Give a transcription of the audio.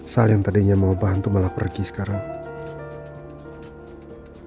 soal yang tadinya mau bantu malah pergi sekarang